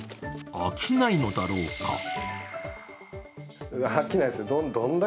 飽きないのだろうか。